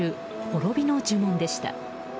滅びの呪文でした。